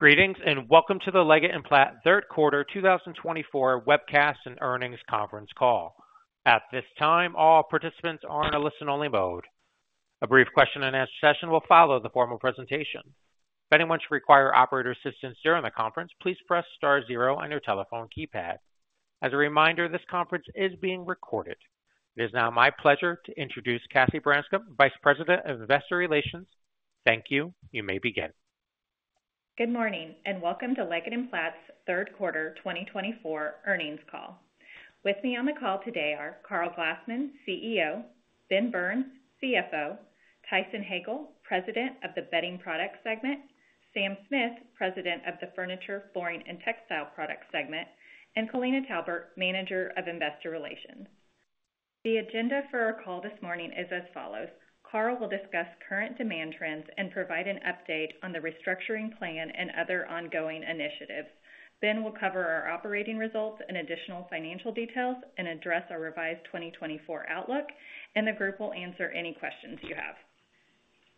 Greetings and welcome to the Leggett & Platt Third Quarter 2024 Webcast and Earnings Conference Call. At this time, all participants are in a listen-only mode. A brief question-and-answer session will follow the formal presentation. If anyone should require operator assistance during the conference, please press star zero on your telephone keypad. As a reminder, this conference is being recorded. It is now my pleasure to introduce Cassie Branscum, Vice President of Investor Relations. Thank you. You may begin. Good morning and welcome to Leggett & Platt's Third Quarter 2024 Earnings Call. With me on the call today are Karl Glassman, CEO, Ben Burns, CFO, Tyson Hagale, President of the Bedding Products Segment, Sam Smith, President of the Furniture, Flooring, and Textile Products Segment, and Kalina Talberg, Manager of Investor Relations. The agenda for our call this morning is as follows: Karl will discuss current demand trends and provide an update on the restructuring plan and other ongoing initiatives. Ben will cover our operating results and additional financial details and address our revised 2024 outlook, and the group will answer any questions you have.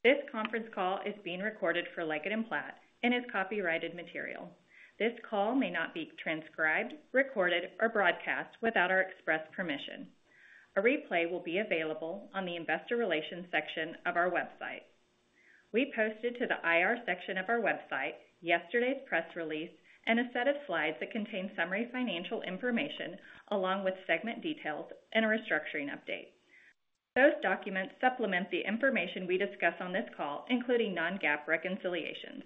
This conference call is being recorded for Leggett & Platt and is copyrighted material. This call may not be transcribed, recorded, or broadcast without our express permission. A replay will be available on the Investor Relations section of our website. We posted to the IR section of our website yesterday's press release and a set of slides that contain summary financial information along with segment details and a restructuring update. Those documents supplement the information we discuss on this call, including non-GAAP reconciliations.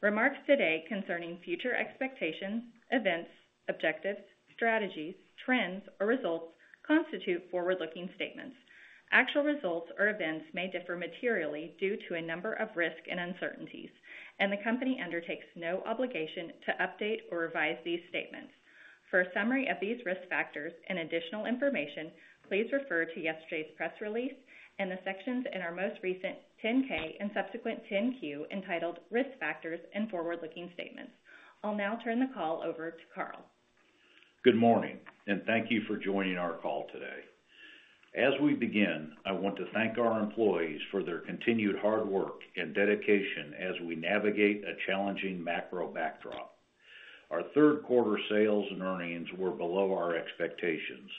Remarks today concerning future expectations, events, objectives, strategies, trends, or results constitute forward-looking statements. Actual results or events may differ materially due to a number of risks and uncertainties, and the company undertakes no obligation to update or revise these statements. For a summary of these risk factors and additional information, please refer to yesterday's press release and the sections in our most recent 10-K and subsequent 10-Q entitled Risk Factors and Forward-Looking Statements. I'll now turn the call over to Karl. Good morning and thank you for joining our call today. As we begin, I want to thank our employees for their continued hard work and dedication as we navigate a challenging macro backdrop. Our third-quarter sales and earnings were below our expectations,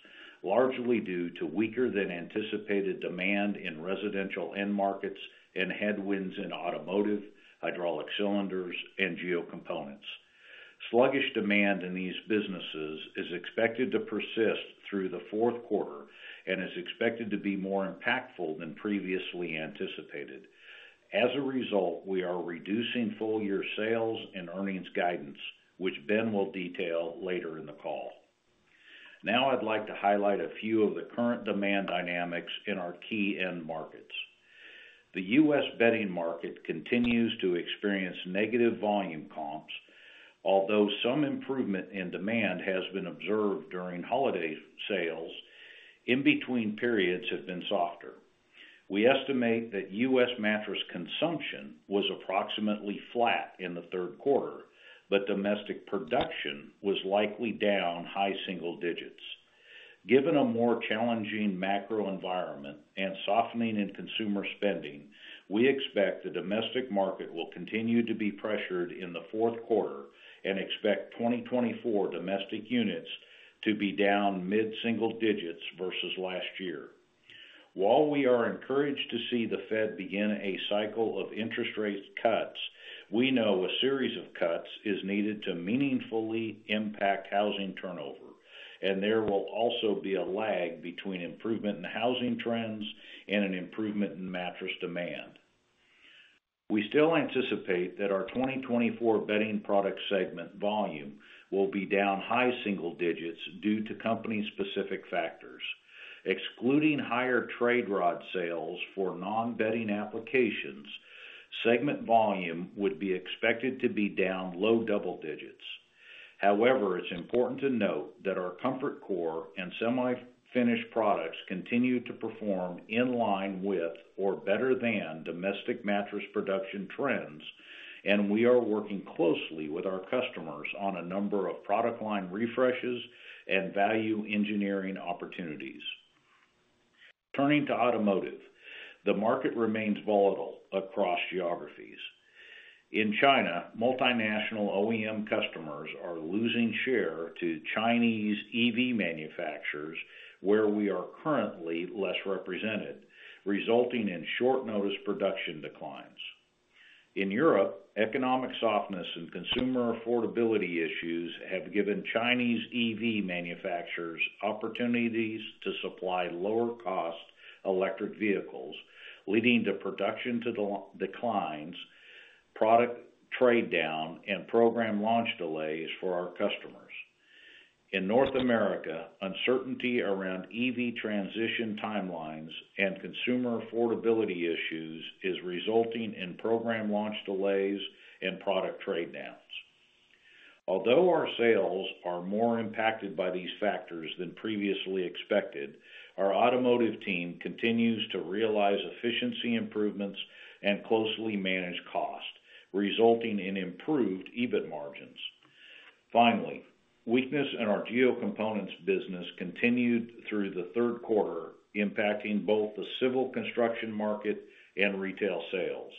largely due to weaker-than-anticipated demand in residential end markets and headwinds in automotive, hydraulic cylinders, and geo components. Sluggish demand in these businesses is expected to persist through the fourth quarter and is expected to be more impactful than previously anticipated. As a result, we are reducing full-year sales and earnings guidance, which Ben will detail later in the call. Now, I'd like to highlight a few of the current demand dynamics in our key end markets. The U.S. bedding market continues to experience negative volume comps. Although some improvement in demand has been observed during holiday sales, in-between periods have been softer. We estimate that U.S. Mattress consumption was approximately flat in the third quarter, but domestic production was likely down high single digits. Given a more challenging macro environment and softening in consumer spending, we expect the domestic market will continue to be pressured in the fourth quarter and expect 2024 domestic units to be down mid-single digits versus last year. While we are encouraged to see the Fed begin a cycle of interest rate cuts, we know a series of cuts is needed to meaningfully impact housing turnover, and there will also be a lag between improvement in housing trends and an improvement in mattress demand. We still anticipate that our 2024 bedding product segment volume will be down high single digits due to company-specific factors. Excluding higher trade rod sales for non-bedding applications, segment volume would be expected to be down low double digits. However, it's important to note that our ComfortCore and semi-finished products continue to perform in line with or better than domestic mattress production trends, and we are working closely with our customers on a number of product line refreshes and value engineering opportunities. Turning to automotive, the market remains volatile across geographies. In China, multinational OEM customers are losing share to Chinese EV manufacturers, where we are currently less represented, resulting in short-notice production declines. In Europe, economic softness and consumer affordability issues have given Chinese EV manufacturers opportunities to supply lower-cost electric vehicles, leading to production declines, product trade-down, and program launch delays for our customers. In North America, uncertainty around EV transition timelines and consumer affordability issues is resulting in program launch delays and product trade-downs. Although our sales are more impacted by these factors than previously expected, our automotive team continues to realize efficiency improvements and closely manage cost, resulting in improved EBIT margins. Finally, weakness in our GeoComponents business continued through the third quarter, impacting both the civil construction market and retail sales.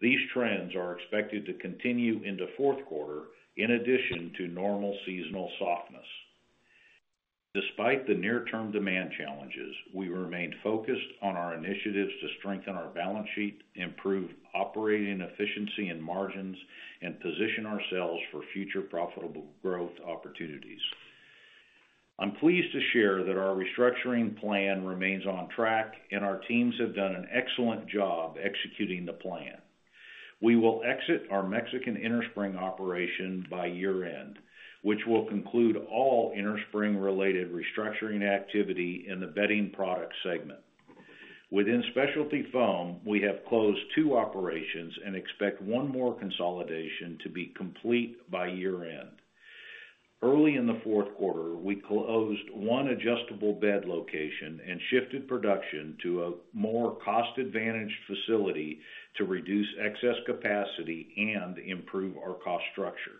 These trends are expected to continue into fourth quarter in addition to normal seasonal softness. Despite the near-term demand challenges, we remained focused on our initiatives to strengthen our balance sheet, improve operating efficiency and margins, and position ourselves for future profitable growth opportunities. I'm pleased to share that our restructuring plan remains on track, and our teams have done an excellent job executing the plan. We will exit our Mexican Innerspring operation by year-end, which will conclude all Innerspring-related restructuring activity in the bedding product segment. Within Specialty Foam, we have closed two operations and expect one more consolidation to be complete by year-end. Early in the fourth quarter, we closed one adjustable bed location and shifted production to a more cost-advantaged facility to reduce excess capacity and improve our cost structure.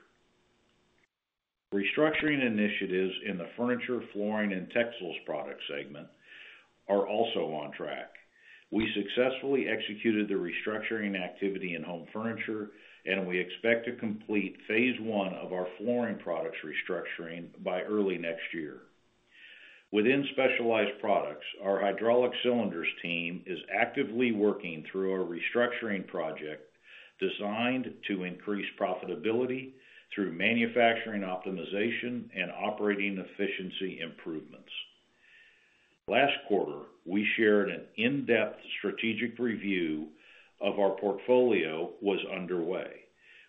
Restructuring initiatives in the Furniture, Flooring, and Textile Products segment are also on track. We successfully executed the restructuring activity in home furniture, and we expect to complete phase one of our flooring products restructuring by early next year. Within Specialized Products, our hydraulic cylinders team is actively working through a restructuring project designed to increase profitability through manufacturing optimization and operating efficiency improvements. Last quarter, we shared an in-depth strategic review of our portfolio that was underway.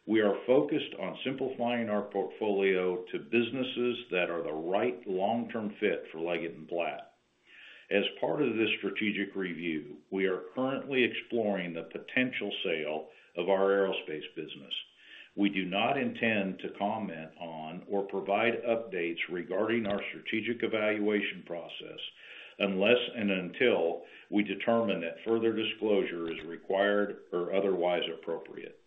We are focused on simplifying our portfolio to businesses that are the right long-term fit for Leggett & Platt. As part of this strategic review, we are currently exploring the potential sale of our aerospace business. We do not intend to comment on or provide updates regarding our strategic evaluation process unless and until we determine that further disclosure is required or otherwise appropriate.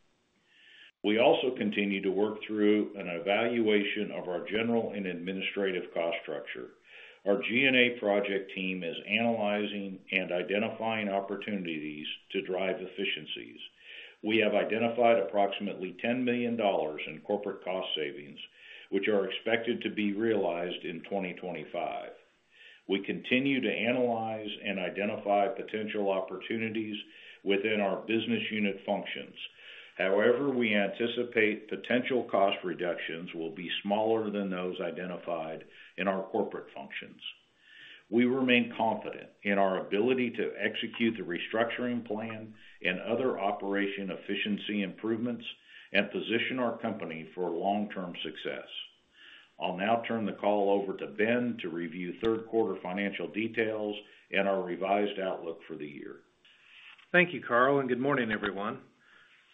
We also continue to work through an evaluation of our general and administrative cost structure. Our G&A project team is analyzing and identifying opportunities to drive efficiencies. We have identified approximately $10 million in corporate cost savings, which are expected to be realized in 2025. We continue to analyze and identify potential opportunities within our business unit functions. However, we anticipate potential cost reductions will be smaller than those identified in our corporate functions. We remain confident in our ability to execute the restructuring plan and other operation efficiency improvements and position our company for long-term success. I'll now turn the call over to Ben to review third-quarter financial details and our revised outlook for the year. Thank you, Karl, and good morning, everyone.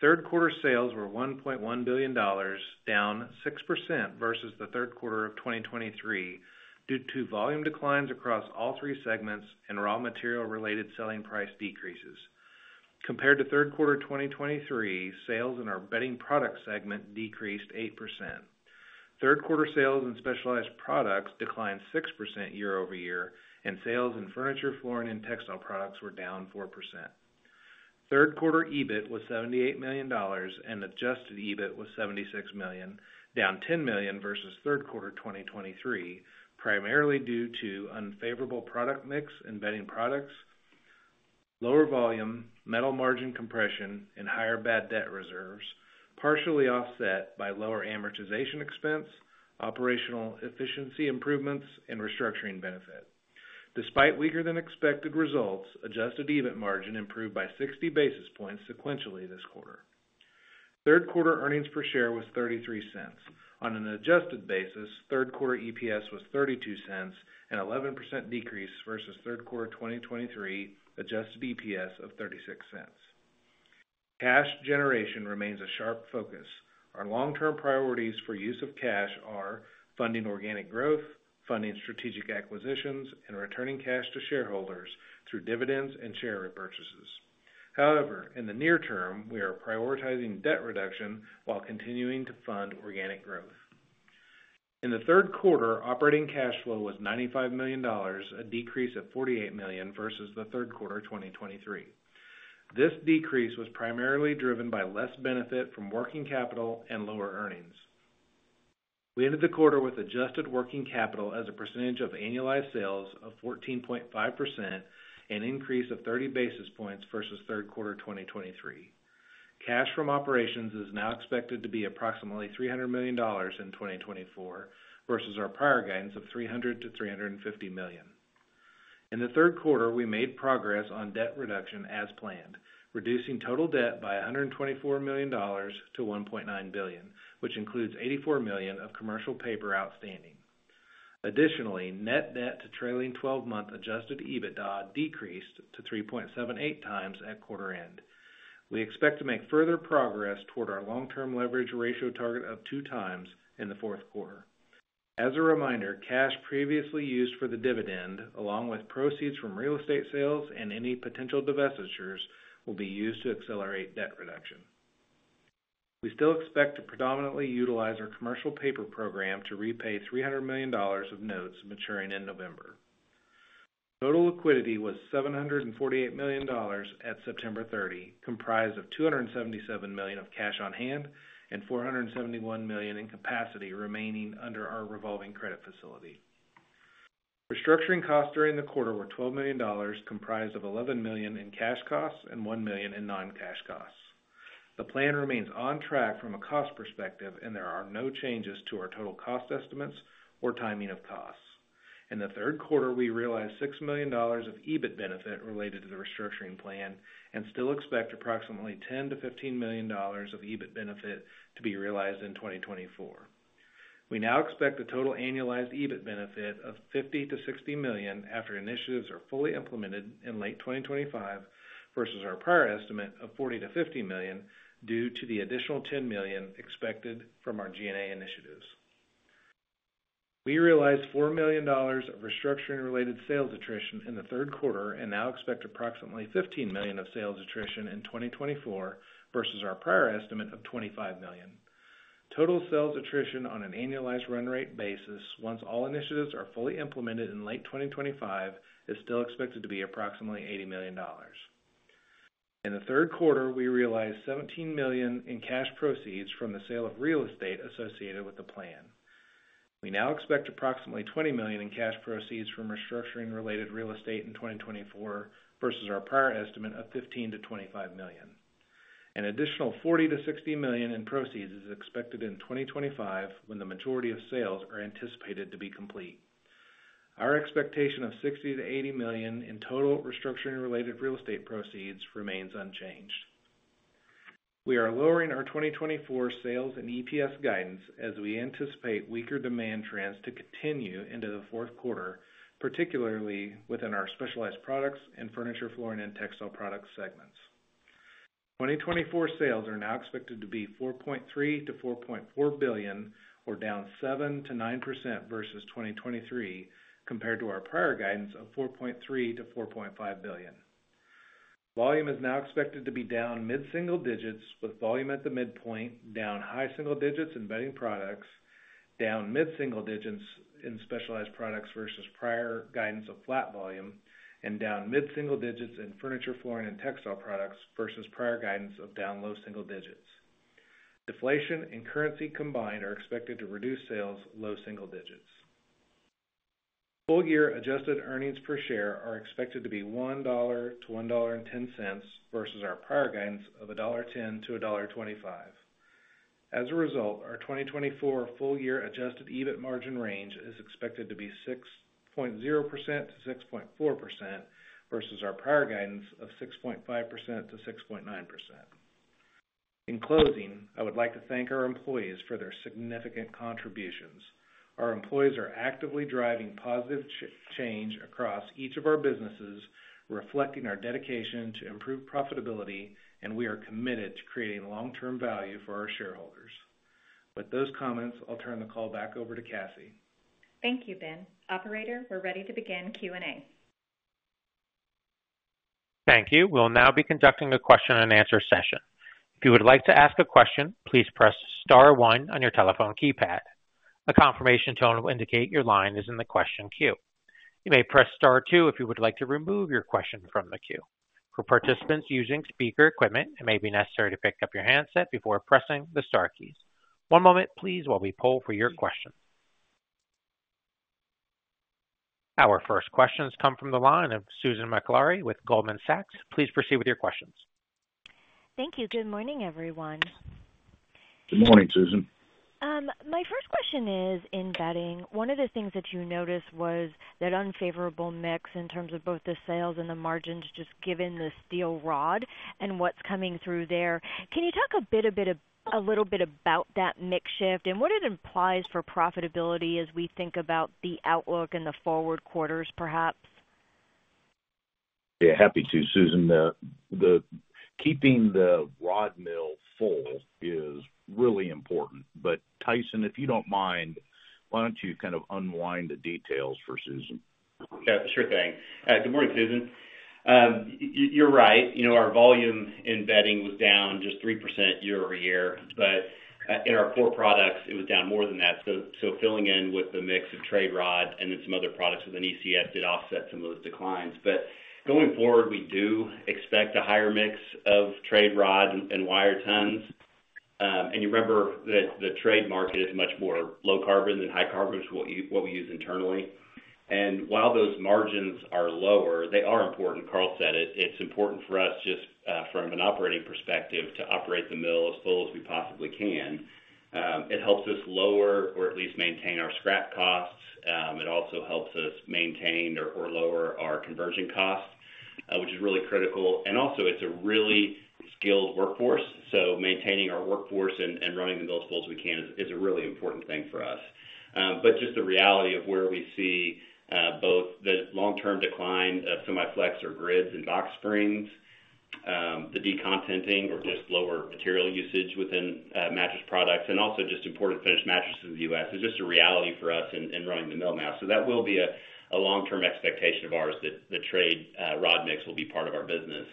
Third-quarter sales were $1.1 billion, down 6% versus the third quarter of 2023 due to volume declines across all three segments and raw material-related selling price decreases. Compared to third quarter 2023, sales in our bedding product segment decreased 8%. Third-quarter sales in specialized products declined 6% year-over-year, and sales in furniture, flooring, and textile products were down 4%. Third-quarter EBIT was $78 million, and adjusted EBIT was $76 million, down $10 million versus third quarter 2023, primarily due to unfavorable product mix in bedding products, lower volume, metal margin compression, and higher bad debt reserves, partially offset by lower amortization expense, operational efficiency improvements, and restructuring benefit. Despite weaker-than-expected results, adjusted EBIT margin improved by 60 basis points sequentially this quarter. Third-quarter earnings per share was $0.33. On an adjusted basis, third-quarter EPS was $0.32, an 11% decrease versus third quarter 2023 adjusted EPS of $0.36. Cash generation remains a sharp focus. Our long-term priorities for use of cash are funding organic growth, funding strategic acquisitions, and returning cash to shareholders through dividends and share repurchases. However, in the near term, we are prioritizing debt reduction while continuing to fund organic growth. In the third quarter, operating cash flow was $95 million, a decrease of $48 million versus the third quarter 2023. This decrease was primarily driven by less benefit from working capital and lower earnings. We ended the quarter with adjusted working capital as a percentage of annualized sales of 14.5%, an increase of 30 basis points versus third quarter 2023. Cash from operations is now expected to be approximately $300 million in 2024 versus our prior guidance of $300 million-$350 million. In the third quarter, we made progress on debt reduction as planned, reducing total debt by $124 million to $1.9 billion, which includes $84 million of commercial paper outstanding. Additionally, net debt to trailing 12-month Adjusted EBITDA decreased to 3.78 times at quarter-end. We expect to make further progress toward our long-term leverage ratio target of two times in the fourth quarter. As a reminder, cash previously used for the dividend, along with proceeds from real estate sales and any potential divestitures, will be used to accelerate debt reduction. We still expect to predominantly utilize our commercial paper program to repay $300 million of notes maturing in November. Total liquidity was $748 million at September 30, comprised of $277 million of cash on hand and $471 million in capacity remaining under our revolving credit facility. Restructuring costs during the quarter were $12 million, comprised of $11 million in cash costs and $1 million in non-cash costs. The plan remains on track from a cost perspective, and there are no changes to our total cost estimates or timing of costs. In the third quarter, we realized $6 million of EBIT benefit related to the restructuring plan and still expect approximately $10 million-$15 million of EBIT benefit to be realized in 2024. We now expect the total annualized EBIT benefit of $50 million-$60 million after initiatives are fully implemented in late 2025 versus our prior estimate of $40 million-$50 million due to the additional $10 million expected from our G&A initiatives. We realized $4 million of restructuring-related sales attrition in the third quarter and now expect approximately $15 million of sales attrition in 2024 versus our prior estimate of $25 million. Total sales attrition on an annualized run rate basis, once all initiatives are fully implemented in late 2025, is still expected to be approximately $80 million. In the third quarter, we realized $17 million in cash proceeds from the sale of real estate associated with the plan. We now expect approximately $20 million in cash proceeds from restructuring-related real estate in 2024 versus our prior estimate of $15 million-$25 million. An additional $40 million-$60 million in proceeds is expected in 2025 when the majority of sales are anticipated to be complete. Our expectation of $60 million-$80 million in total restructuring-related real estate proceeds remains unchanged. We are lowering our 2024 sales and EPS guidance as we anticipate weaker demand trends to continue into the fourth quarter, particularly within our specialized products and furniture, flooring, and textile products segments. 2024 sales are now expected to be $4.3 billion-$4.4 billion, or down 7%-9% versus 2023, compared to our prior guidance of $4.3 billion-$4.5 billion. Volume is now expected to be down mid-single digits, with volume at the midpoint, down high single digits in Bedding Products, down mid-single digits in Specialized Products versus prior guidance of flat volume, and down mid-single digits in Furniture, Flooring, and Textile Products versus prior guidance of down low single digits. Deflation and currency combined are expected to reduce sales low single digits. Full-year adjusted earnings per share are expected to be $1-$1.10 versus our prior guidance of $1.10-$1.25. As a result, our 2024 full-year adjusted EBIT margin range is expected to be 6.0%-6.4% versus our prior guidance of 6.5%-6.9%. In closing, I would like to thank our employees for their significant contributions. Our employees are actively driving positive change across each of our businesses, reflecting our dedication to improved profitability, and we are committed to creating long-term value for our shareholders. With those comments, I'll turn the call back over to Cassie. Thank you, Ben. Operator, we're ready to begin Q&A. Thank you. We'll now be conducting a question-and-answer session. If you would like to ask a question, please press Star one on your telephone keypad. A confirmation tone will indicate your line is in the question queue. You may press Star two if you would like to remove your question from the queue. For participants using speaker equipment, it may be necessary to pick up your handset before pressing the Star keys. One moment, please, while we poll for your question. Our first questions come from the line of Susan Maklari with Goldman Sachs. Please proceed with your questions. Thank you. Good morning, everyone. Good morning, Susan. My first question is in bedding. One of the things that you noticed was that unfavorable mix in terms of both the sales and the margins, just given the steel rod and what's coming through there. Can you talk a bit about that mix shift and what it implies for profitability as we think about the outlook in the forward quarters, perhaps? Yeah, happy to, Susan. Keeping the rod mill full is really important, but Tyson, if you don't mind, why don't you kind of unwind the details for Susan? Sure thing. Good morning, Susan. You're right. Our volume in bedding was down just 3% year-over-year, but in our core products, it was down more than that, so filling in with the mix of trade rod and then some other products within ECS did offset some of those declines, but going forward, we do expect a higher mix of trade rod and wire tons, and you remember that the trade market is much more low carbon than high carbon, which is what we use internally. And while those margins are lower, they are important. Karl said it. It's important for us, just from an operating perspective, to operate the mill as full as we possibly can. It helps us lower or at least maintain our scrap costs. It also helps us maintain or lower our conversion cost, which is really critical, and also, it's a really skilled workforce. So maintaining our workforce and running the mill as full as we can is a really important thing for us. But just the reality of where we see both the long-term decline of Semi-Flex or grids and box springs, the decontenting, or just lower material usage within mattress products, and also just important finished mattresses in the U.S. is just a reality for us in running the mill now. So that will be a long-term expectation of ours, that the trade rod mix will be part of our business.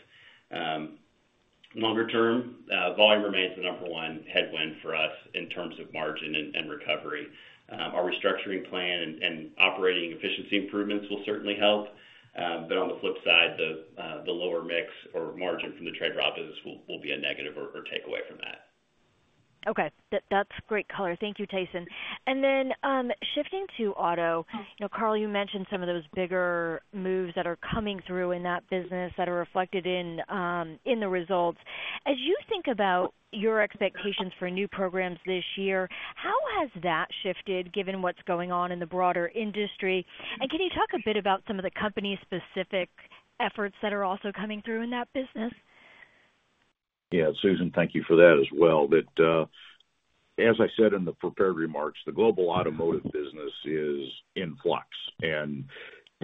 Longer term, volume remains the number one headwind for us in terms of margin and recovery. Our restructuring plan and operating efficiency improvements will certainly help. But on the flip side, the lower mix or margin from the trade rod business will be a negative or takeaway from that. Okay. That's great, Karl. Thank you, Tyson. And then shifting to auto, Karl, you mentioned some of those bigger moves that are coming through in that business that are reflected in the results. As you think about your expectations for new programs this year, how has that shifted given what's going on in the broader industry? And can you talk a bit about some of the company-specific efforts that are also coming through in that business? Yeah, Susan, thank you for that as well. As I said in the prepared remarks, the global automotive business is in flux and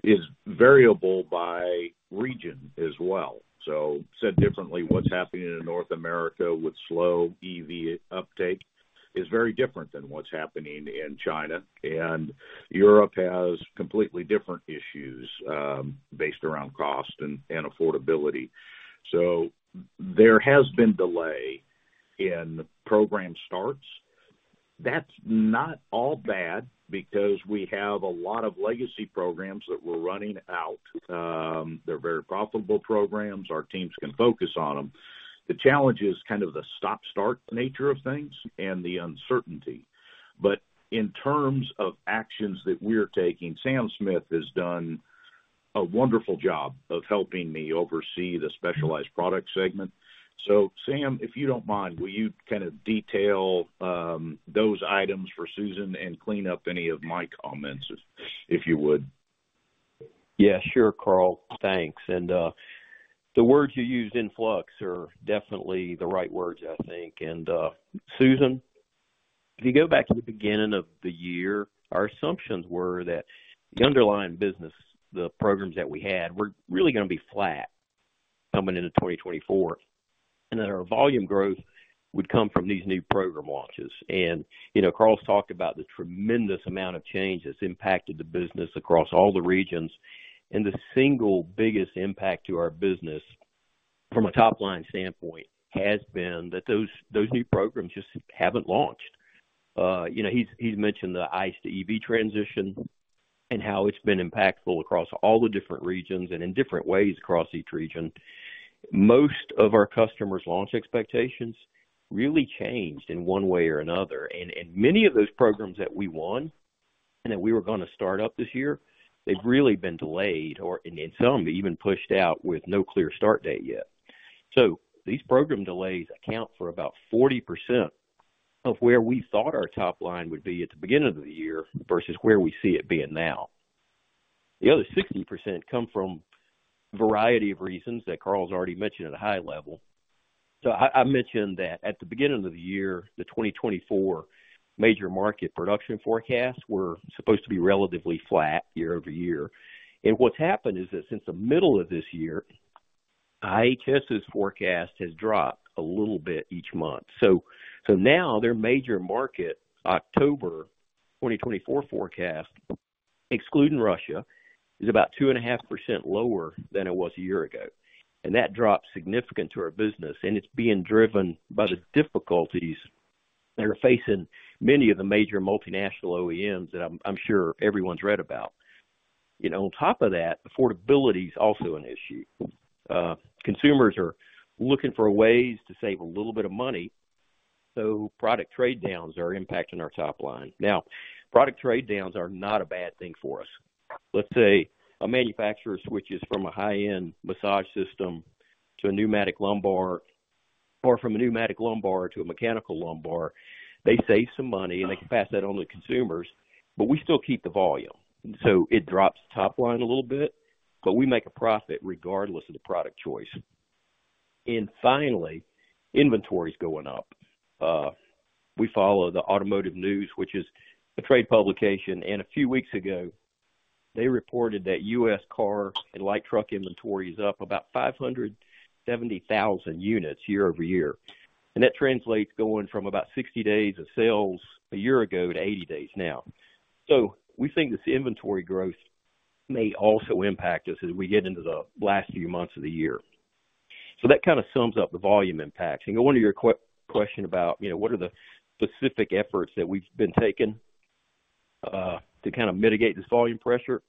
is variable by region as well, so said differently, what's happening in North America with slow EV uptake is very different than what's happening in China, and Europe has completely different issues based around cost and affordability, so there has been delay in program starts. That's not all bad because we have a lot of legacy programs that we're running out. They're very profitable programs. Our teams can focus on them. The challenge is kind of the stop-start nature of things and the uncertainty, but in terms of actions that we're taking, Sam Smith has done a wonderful job of helping me oversee the Specialized Products segment. So Sam, if you don't mind, will you kind of detail those items for Susan and clean up any of my comments, if you would? Yeah, sure, Karl. Thanks. And the words you used in flux are definitely the right words, I think. And Susan, if you go back to the beginning of the year, our assumptions were that the underlying business, the programs that we had, were really going to be flat coming into 2024, and that our volume growth would come from these new program launches. And Karl talked about the tremendous amount of change that's impacted the business across all the regions. And the single biggest impact to our business from a top-line standpoint has been that those new programs just haven't launched. He's mentioned the ICE to EV transition and how it's been impactful across all the different regions and in different ways across each region. Most of our customers' launch expectations really changed in one way or another. And many of those programs that we won and that we were going to start up this year, they've really been delayed or in some even pushed out with no clear start date yet. So these program delays account for about 40% of where we thought our top line would be at the beginning of the year versus where we see it being now. The other 60% come from a variety of reasons that Karl's already mentioned at a high level. So I mentioned that at the beginning of the year, the 2024 major market production forecasts were supposed to be relatively flat year-over-year. And what's happened is that since the middle of this year, IHS's forecast has dropped a little bit each month. So now their major market October 2024 forecast, excluding Russia, is about 2.5% lower than it was a year ago. And that drop is significant to our business. It's being driven by the difficulties that are facing many of the major multinational OEMs that I'm sure everyone's read about. On top of that, affordability is also an issue. Consumers are looking for ways to save a little bit of money. So product trade downs are impacting our top line. Now, product trade downs are not a bad thing for us. Let's say a manufacturer switches from a high-end massage system to a pneumatic lumbar or from a pneumatic lumbar to a mechanical lumbar. They save some money, and they can pass that on to consumers, but we still keep the volume. So it drops top line a little bit, but we make a profit regardless of the product choice. And finally, inventory is going up. We follow the Automotive News, which is a trade publication. And a few weeks ago, they reported that U.S. car and light truck inventory is up about 570,000 units year-over-year. And that translates going from about 60 days of sales a year ago to 80 days now. So we think this inventory growth may also impact us as we get into the last few months of the year. So that kind of sums up the volume impacts. And going to your question about what are the specific efforts that we've been taking to kind of mitigate this volume pressure.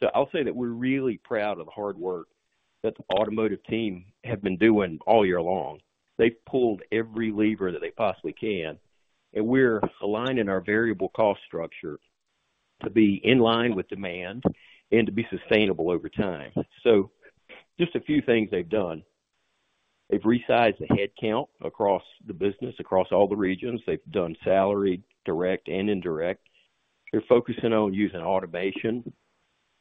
So I'll say that we're really proud of the hard work that the automotive team have been doing all year long. They've pulled every lever that they possibly can. And we're aligning our variable cost structure to be in line with demand and to be sustainable over time. So just a few things they've done. They've resized the headcount across the business, across all the regions. They've done salary direct and indirect. They're focusing on using automation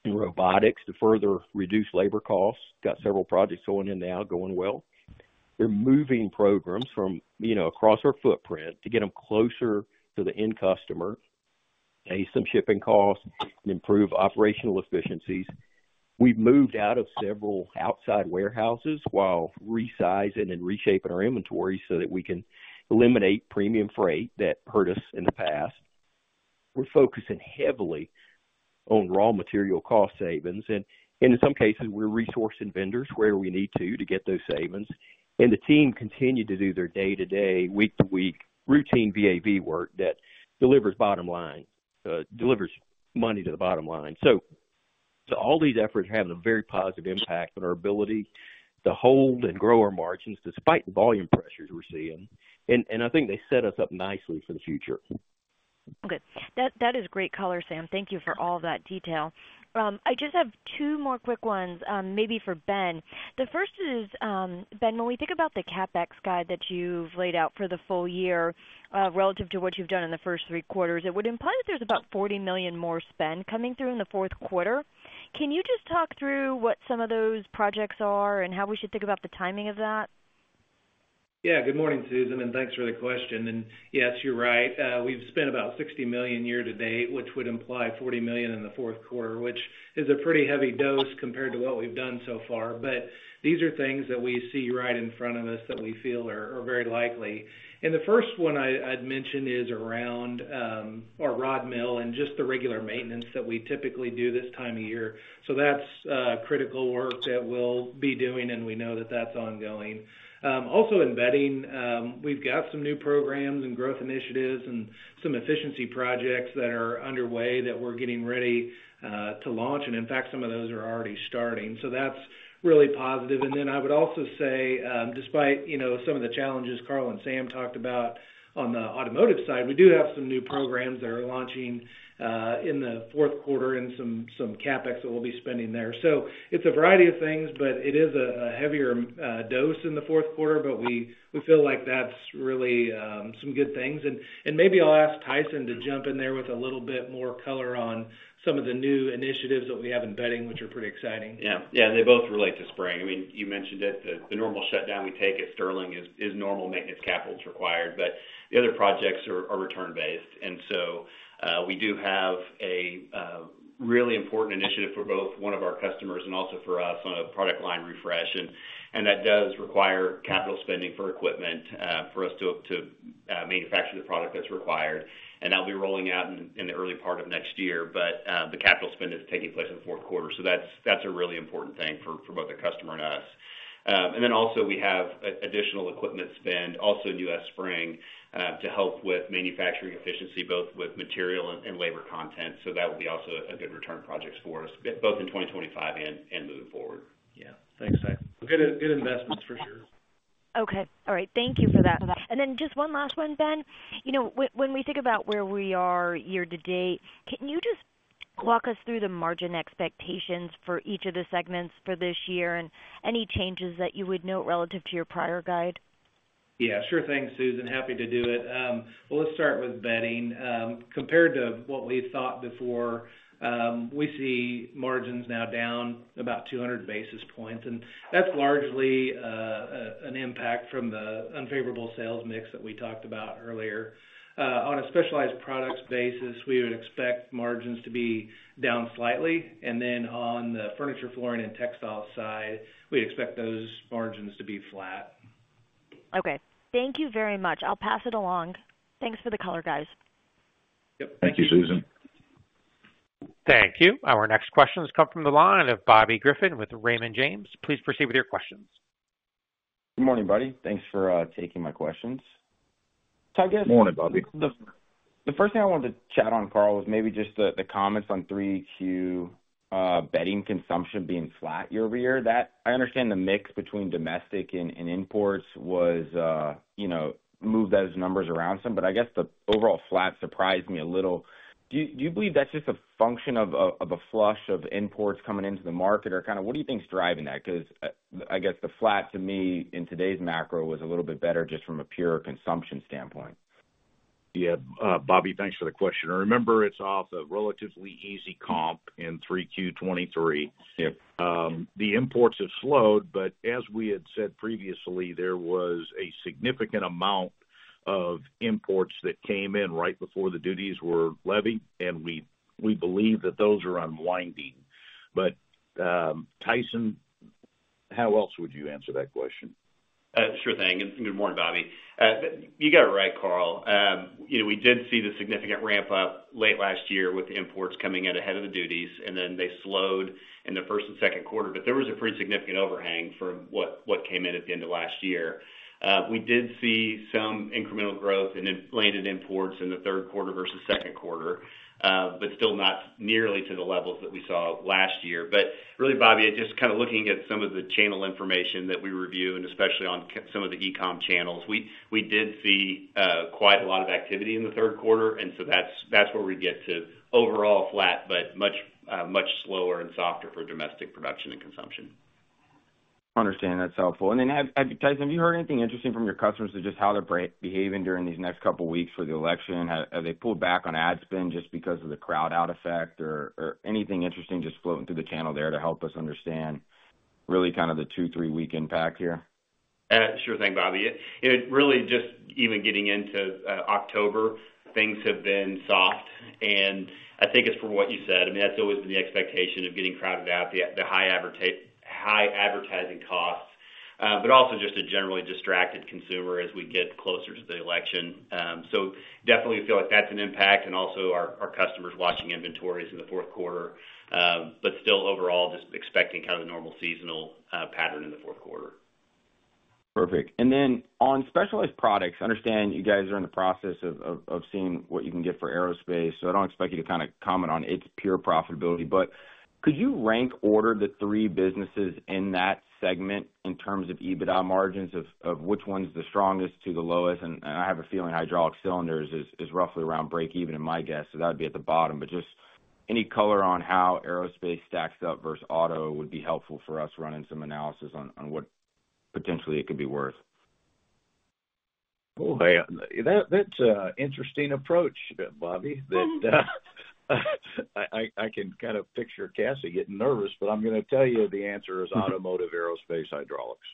and robotics to further reduce labor costs. Got several projects going in now, going well. They're moving programs from across our footprint to get them closer to the end customer, aid some shipping costs, and improve operational efficiencies. We've moved out of several outside warehouses while resizing and reshaping our inventory so that we can eliminate premium freight that hurt us in the past. We're focusing heavily on raw material cost savings, and in some cases, we're resourcing vendors where we need to to get those savings, and the team continues to do their day-to-day, week-to-week routine VA/VE work that delivers bottom line, delivers money to the bottom line. So all these efforts are having a very positive impact on our ability to hold and grow our margins despite the volume pressures we're seeing. And I think they set us up nicely for the future. Good. That is great, Karl, Sam. Thank you for all that detail. I just have two more quick ones, maybe for Ben. The first is, Ben, when we think about the CapEx guide that you've laid out for the full year relative to what you've done in the first three quarters, it would imply that there's about $40 million more spend coming through in the fourth quarter. Can you just talk through what some of those projects are and how we should think about the timing of that? Yeah. Good morning, Susan. And thanks for the question. And yes, you're right. We've spent about $60 million year-to-date, which would imply $40 million in the fourth quarter, which is a pretty heavy dose compared to what we've done so far. But these are things that we see right in front of us that we feel are very likely. And the first one I'd mention is around our rod mill and just the regular maintenance that we typically do this time of year. So that's critical work that we'll be doing, and we know that that's ongoing. Also, in bedding, we've got some new programs and growth initiatives and some efficiency projects that are underway that we're getting ready to launch. And in fact, some of those are already starting. So that's really positive. And then I would also say, despite some of the challenges Karl and Sam talked about on the automotive side, we do have some new programs that are launching in the fourth quarter and some CapEx that we'll be spending there. So it's a variety of things, but it is a heavier dose in the fourth quarter. But we feel like that's really some good things. And maybe I'll ask Tyson to jump in there with a little bit more color on some of the new initiatives that we have in bedding, which are pretty exciting. Yeah. Yeah. And they both relate to spring. I mean, you mentioned it. The normal shutdown we take at Sterling is normal maintenance capital is required. But the other projects are return-based. And so we do have a really important initiative for both one of our customers and also for us on a product line refresh. And that does require capital spending for equipment for us to manufacture the product that's required. And that'll be rolling out in the early part of next year. But the capital spend is taking place in the fourth quarter. So that's a really important thing for both the customer and us. And then also, we have additional equipment spend, also in U.S. spring, to help with manufacturing efficiency, both with material and labor content. So that will be also a good return project for us, both in 2025 and moving forward. Yeah. Thanks, Tyson. Good investments, for sure. Okay. All right. Thank you for that, and then just one last one, Ben. When we think about where we are year-to-date, can you just walk us through the margin expectations for each of the segments for this year and any changes that you would note relative to your prior guide? Yeah. Sure thing, Susan. Happy to do it. Well, let's start with bedding. Compared to what we thought before, we see margins now down about 200 basis points. And that's largely an impact from the unfavorable sales mix that we talked about earlier. On a specialized products basis, we would expect margins to be down slightly. And then on the furniture, flooring, and textile side, we expect those margins to be flat. Okay. Thank you very much. I'll pass it along. Thanks for the color, guys. Yep. Thank you, Susan. Thank you. Our next questions come from the line of Bobby Griffin with Raymond James. Please proceed with your questions. Good morning, everybody. Thanks for taking my questions. Tyson? Good morning, Bobby. The first thing I wanted to chat on, Karl, was maybe just the comments on 3Q bedding consumption being flat year-over-year. I understand the mix between domestic and imports was moved those numbers around some. But I guess the overall flat surprised me a little. Do you believe that's just a function of a flush of imports coming into the market? Or kind of what do you think's driving that? Because I guess the flat, to me, in today's macro, was a little bit better just from a pure consumption standpoint. Yeah. Bobby, thanks for the question. Remember, it's off a relatively easy comp in 3Q 2023. The imports have slowed. But as we had said previously, there was a significant amount of imports that came in right before the duties were levied. And we believe that those are unwinding. But Tyson, how else would you answer that question? Sure thing. And good morning, Bobby. You got it right, Karl. We did see the significant ramp-up late last year with the imports coming in ahead of the duties. And then they slowed in the first and second quarter. But there was a pretty significant overhang from what came in at the end of last year. We did see some incremental growth in landed imports in the third quarter versus second quarter, but still not nearly to the levels that we saw last year. But really, Bobby, just kind of looking at some of the channel information that we review, and especially on some of the e-com channels, we did see quite a lot of activity in the third quarter. And so that's where we get to overall flat, but much slower and softer for domestic production and consumption. Understand. That's helpful. And then, Tyson, have you heard anything interesting from your customers to just how they're behaving during these next couple of weeks for the election? Have they pulled back on ad spend just because of the crowd-out effect or anything interesting just floating through the channel there to help us understand really kind of the two, three-week impact here? Sure thing, Bobby. Really, just even getting into October, things have been soft, and I think it's for what you said. I mean, that's always been the expectation of getting crowded out, the high advertising costs, but also just a generally distracted consumer as we get closer to the election, so definitely, we feel like that's an impact, and also, our customers watching inventories in the fourth quarter, but still overall, just expecting kind of a normal seasonal pattern in the fourth quarter. Perfect. And then on Specialized Products, I understand you guys are in the process of seeing what you can get for Aerospace. So I don't expect you to kind of comment on its pure profitability. But could you rank order the three businesses in that segment in terms of EBITDA margins of which one's the strongest to the lowest? And I have a feeling Hydraulic Cylinders is roughly around break-even in my guess. So that would be at the bottom. But just any color on how Aerospace stacks up versus auto would be helpful for us running some analysis on what potentially it could be worth. Boy, that's an interesting approach, Bobby. I can kind of picture Cassie getting nervous. But I'm going to tell you the answer is automotive aerospace hydraulics.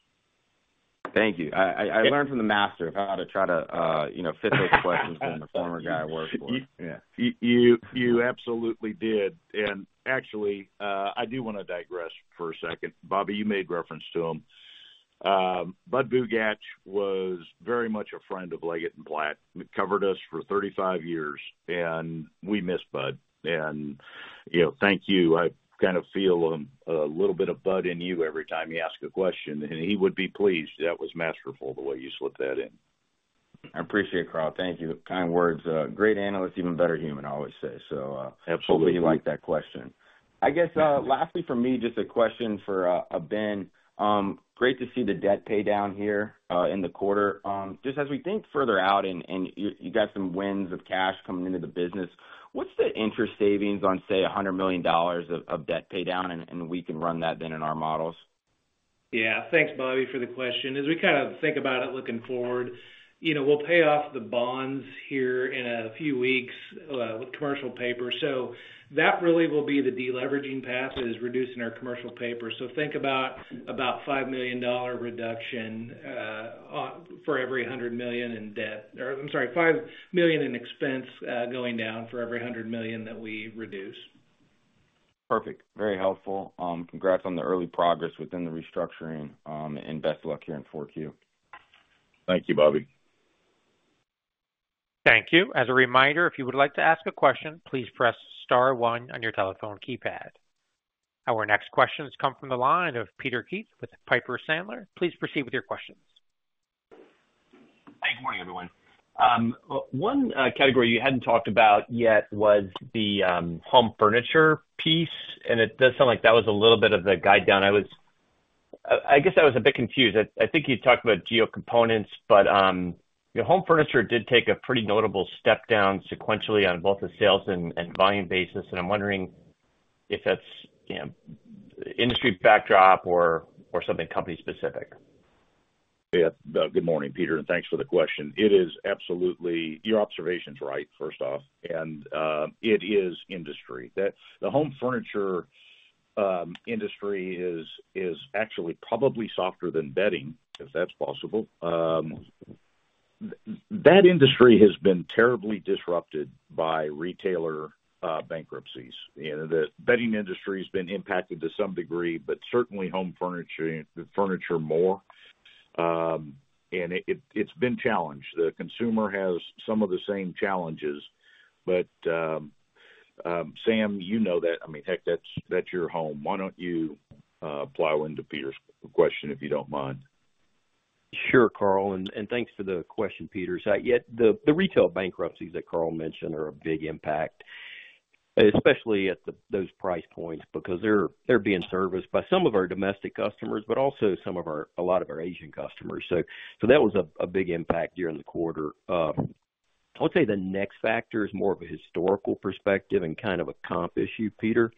Thank you. I learned from the master of how to try to fit those questions from the former guy I worked for. You absolutely did. And actually, I do want to digress for a second. Bobby, you made reference to them. Bud Bugatch was very much a friend of Leggett & Platt, covered us for 35 years. And we miss Bud. And thank you. I kind of feel a little bit of Bud in you every time you ask a question. And he would be pleased. That was masterful, the way you slipped that in. I appreciate it, Karl. Thank you. Kind words. Great analyst, even better human, I always say. So hopefully, you like that question. I guess lastly for me, just a question for Ben. Great to see the debt pay down here in the quarter. Just as we think further out, and you got some winds of cash coming into the business, what's the interest savings on, say, $100 million of debt pay down? And we can run that then in our models. Yeah. Thanks, Bobby, for the question. As we kind of think about it looking forward, we'll pay off the bonds here in a few weeks with commercial paper. So that really will be the deleveraging path, is reducing our commercial paper. So think about $5 million reduction for every $100 million in debt. Or I'm sorry, $5 million in expense going down for every $100 million that we reduce. Perfect. Very helpful. Congrats on the early progress within the restructuring, and best of luck here in 4Q. Thank you, Bobby. Thank you. As a reminder, if you would like to ask a question, please press star one on your telephone keypad. Our next questions come from the line of Peter Keith with Piper Sandler. Please proceed with your questions. Hey, good morning, everyone. One category you hadn't talked about yet was the home furniture piece. And it does sound like that was a little bit of the guide down. I guess I was a bit confused. I think you talked about geo-components. But home furniture did take a pretty notable step down sequentially on both the sales and volume basis. And I'm wondering if that's industry backdrop or something company-specific. Yeah. Good morning, Peter, and thanks for the question. Your observation's right, first off, and it is industry. The home furniture industry is actually probably softer than bedding, if that's possible. That industry has been terribly disrupted by retailer bankruptcies. The bedding industry has been impacted to some degree, but certainly home furniture more, and it's been challenged. The consumer has some of the same challenges, but Sam, you know that. I mean, heck, that's your home. Why don't you plow into Peter's question if you don't mind? Sure, Karl. And thanks for the question, Peter. The retail bankruptcies that Karl mentioned are a big impact, especially at those price points because they're being serviced by some of our domestic customers, but also a lot of our Asian customers. So that was a big impact during the quarter. I would say the next factor is more of a historical perspective and kind of a comp issue, Peter.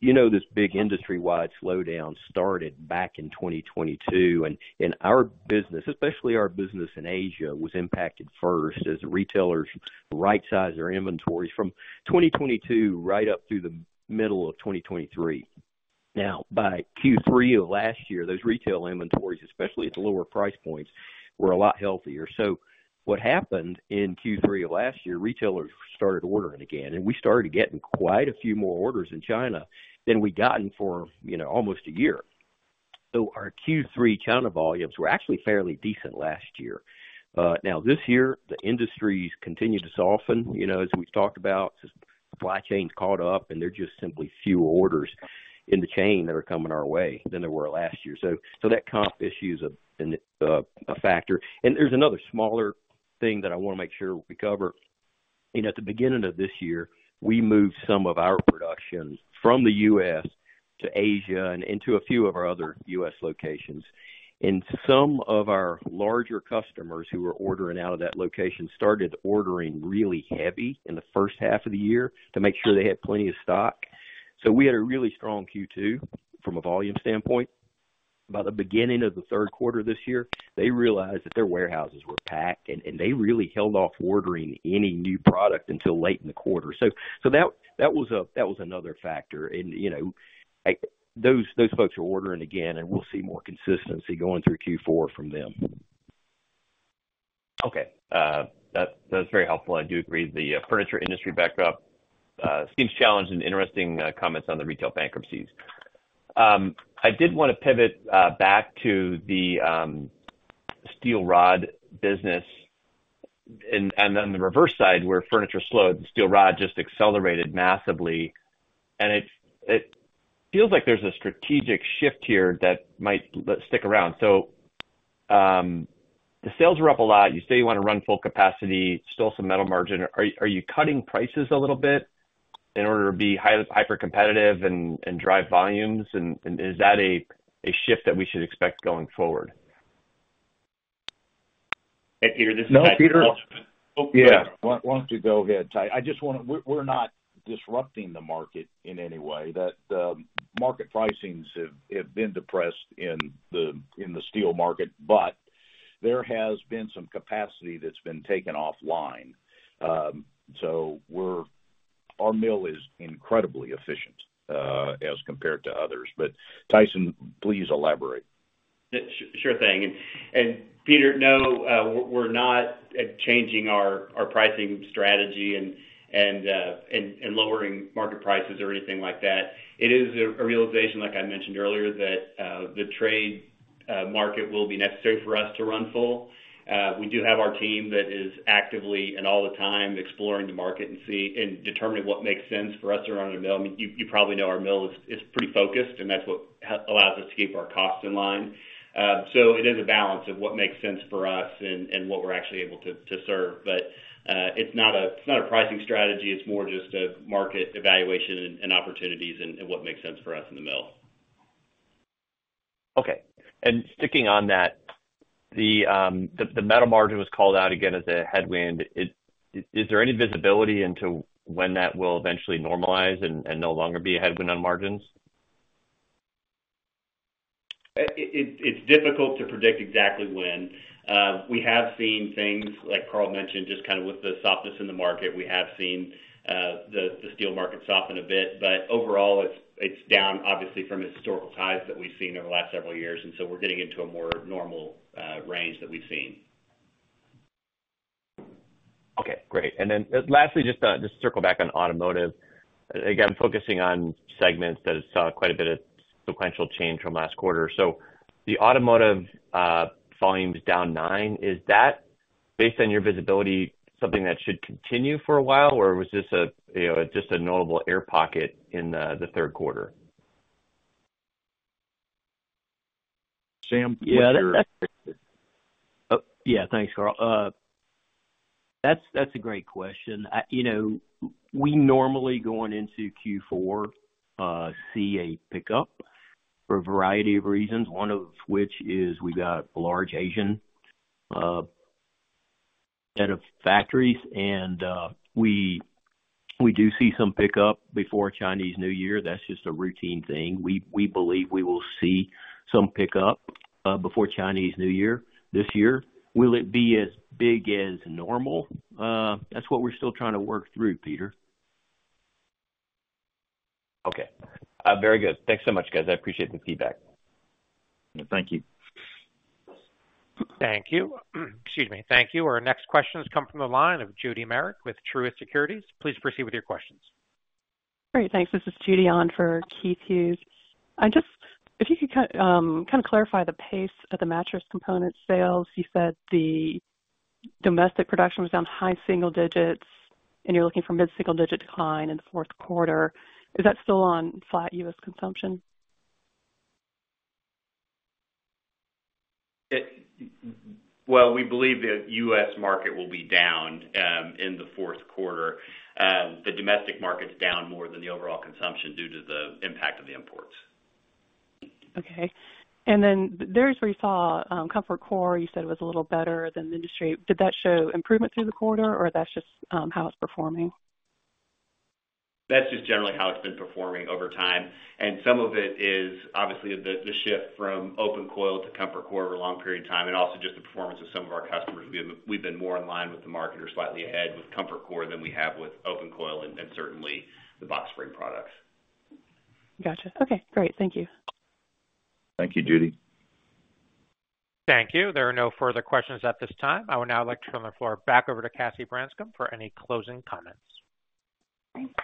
You know this big industry-wide slowdown started back in 2022. And our business, especially our business in Asia, was impacted first as retailers right-sized their inventories from 2022 right up through the middle of 2023. Now, by Q3 of last year, those retail inventories, especially at the lower price points, were a lot healthier. So what happened in Q3 of last year, retailers started ordering again. We started getting quite a few more orders in China than we'd gotten for almost a year. So our Q3 China volumes were actually fairly decent last year. Now, this year, the industries continue to soften as we've talked about. Supply chains caught up. And they're just simply fewer orders in the chain that are coming our way than they were last year. So that comp issue is a factor. And there's another smaller thing that I want to make sure we cover. At the beginning of this year, we moved some of our production from the U.S. to Asia and into a few of our other U.S. locations. And some of our larger customers who were ordering out of that location started ordering really heavy in the first half of the year to make sure they had plenty of stock. So we had a really strong Q2 from a volume standpoint. By the beginning of the third quarter of this year, they realized that their warehouses were packed. And they really held off ordering any new product until late in the quarter. So that was another factor. And those folks are ordering again. And we'll see more consistency going through Q4 from them. Okay. That's very helpful. I do agree. The furniture industry backdrop seems challenged. Interesting comments on the retail bankruptcies. I did want to pivot back to the steel rod business. And on the reverse side, where furniture slowed, the steel rod just accelerated massively. And it feels like there's a strategic shift here that might stick around. So the sales were up a lot. You say you want to run full capacity, still some metal margin. Are you cutting prices a little bit in order to be hyper-competitive and drive volumes? And is that a shift that we should expect going forward? Hey, Peter. This is No, Peter. Yeah. Why don't you go ahead, We're not disrupting the market in any way. Market pricings have been depressed in the steel market. But there has been some capacity that's been taken offline. So our mill is incredibly efficient as compared to others. But Tyson, please elaborate. Sure thing. And Peter, no, we're not changing our pricing strategy and lowering market prices or anything like that. It is a realization, like I mentioned earlier, that the trade market will be necessary for us to run full. We do have our team that is actively and all the time exploring the market and determining what makes sense for us to run in a mill. I mean, you probably know our mill is pretty focused. And that's what allows us to keep our costs in line. So it is a balance of what makes sense for us and what we're actually able to serve. But it's not a pricing strategy. It's more just a market evaluation and opportunities and what makes sense for us in the mill. Okay. And sticking on that, the metal margin was called out again as a headwind. Is there any visibility into when that will eventually normalize and no longer be a headwind on margins? It's difficult to predict exactly when. We have seen things, like Karl mentioned, just kind of with the softness in the market. We have seen the steel market soften a bit. But overall, it's down, obviously, from historical highs that we've seen over the last several years. And so we're getting into a more normal range that we've seen. Okay. Great. And then lastly, just to circle back on automotive, again, focusing on segments that saw quite a bit of sequential change from last quarter. So the automotive volume is down 9%. Is that, based on your visibility, something that should continue for a while? Or was this just a notable air pocket in the third quarter? Sam, you're sure? Yeah. Thanks, Karl. That's a great question. We normally, going into Q4, see a pickup for a variety of reasons, one of which is we've got large Asian set of factories. And we do see some pickup before Chinese New Year. That's just a routine thing. We believe we will see some pickup before Chinese New Year this year. Will it be as big as normal? That's what we're still trying to work through, Peter. Okay. Very good. Thanks so much, guys. I appreciate the feedback. Thank you. Thank you. Excuse me. Thank you. Our next questions come from the line of Judy Merrick with Truist Securities. Please proceed with your questions. Great. Thanks. This is Judy on for Keith Hughes. If you could kind of clarify the pace of the mattress component sales, you said the domestic production was down high single digits, and you're looking for mid-single digit decline in the fourth quarter. Is that still on flat U.S. consumption? We believe the U.S. market will be down in the fourth quarter. The domestic market's down more than the overall consumption due to the impact of the imports. Okay. And then there's where you saw Comfort Core. You said it was a little better than the industry. Did that show improvement through the quarter? Or that's just how it's performing? That's just generally how it's been performing over time. And some of it is, obviously, the shift from Open Coil to Comfort Core over a long period of time. And also just the performance of some of our customers. We've been more in line with the market or slightly ahead with Comfort Core than we have with Open Coil and certainly the Box Spring products. Gotcha. Okay. Great. Thank you. Thank you, Judy. Thank you. There are no further questions at this time. I would now like to turn the floor back over to Cassie Branscum for any closing comments.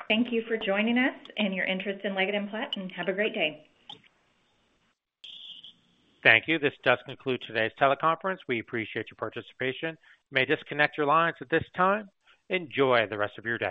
Thank you for joining us and your interest in Leggett & Platt, and have a great day. Thank you. This does conclude today's teleconference. We appreciate your participation. May I disconnect your lines at this time? Enjoy the rest of your day.